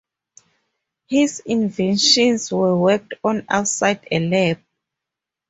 His inventions were worked on outside a lab.